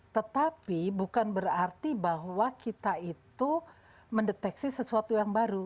tetapi bukan berarti bahwa kita itu mendeteksi sesuatu yang baru